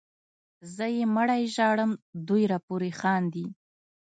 زه یې مړی ژاړم دوی راپورې خاندي